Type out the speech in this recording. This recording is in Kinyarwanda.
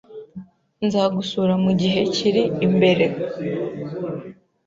Nzagusura mugihe kiri imbere